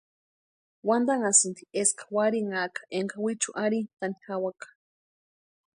Wantanhasïnti eska warhinhaka énka wichu arhintani jawaka.